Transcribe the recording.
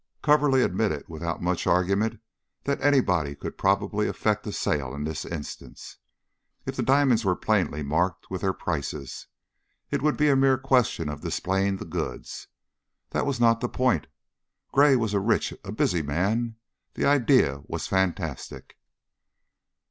Coverly admitted without much argument that anybody could probably effect a sale in this instance, if the diamonds were plainly marked with their prices; it would be a mere question of displaying the goods. That was not the point. Gray was a rich, a busy man the idea was fantastic.